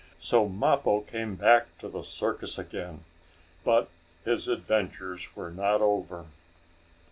So Mappo came back to the circus again. But his adventures were not yet over.